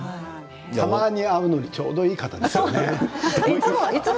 たまに会うのにいい方ですよね。